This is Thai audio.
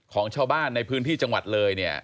ของชาวบ้านในพื้นที่จังหวัดเลยเนี่ย